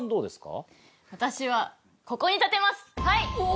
私はここに立てますはい！